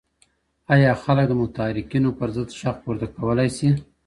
ایا خلک د محتکرینو پر ضد ږغ پورته کولای سي؟